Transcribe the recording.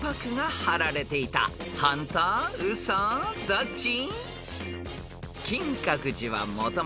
［どっち？］